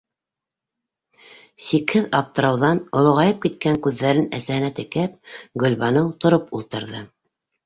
- Сикһеҙ аптырауҙан олоғайып киткән күҙҙәрен әсәһенә текәп, Гөлбаныу тороп ултырҙы.